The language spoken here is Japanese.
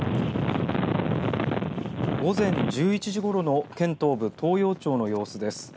午前１１時ごろの県東部、東洋町の様子です。